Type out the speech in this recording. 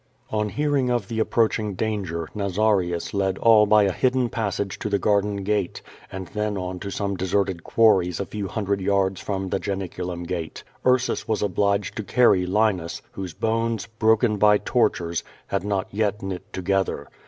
On hearing of the approaching danger, Nazarius led all by a hidden passage to the garden gate, and then on to some de serted quarries a few hundred yards from the Janiculum Gate, tarsus was obliged to carry Linus, whose bones, broken by tortures, had not yet knit together.